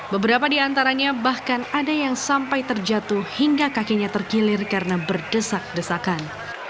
beberapa di antaranya bahkan ada yang sampai terjatuh hingga kakinya tergilir karena berdesak desakan